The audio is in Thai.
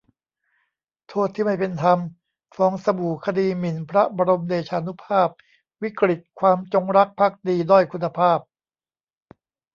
'โทษที่ไม่เป็นธรรม' : ฟองสบู่คดีหมิ่นพระบรมเดชานุภาพ วิกฤตความจงรักภักดีด้อยคุณภาพ